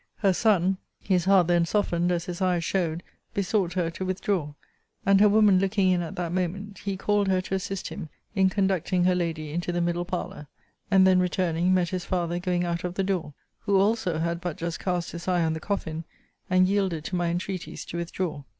Her son (his heart then softened, as his eyes showed,) besought her to withdraw: and her woman looking in at that moment, he called her to assist him in conducting her lady into the middle parlour: and then returning, met his father going out of the door, who also had but just cast his eye on the coffin, and yielded to my entreaties to withdraw.